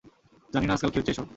জানিনা আজকাল কী হচ্ছে এসব।